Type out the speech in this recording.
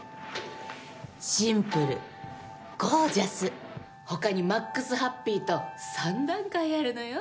シンプルゴージャス他にマックスハッピーと３段階あるのよ。